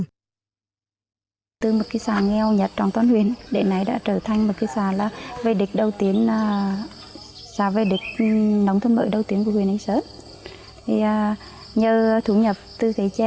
từ một xã nghèo nhặt trong toàn huyện đệ này đã trở thành một xã về địch nống thân mợ đầu tiên của huyện anh sơn